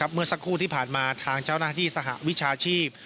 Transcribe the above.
เมื่อสักครู่ที่ผ่านมาทางเจ้าหน้าที่สหวิชาชีพ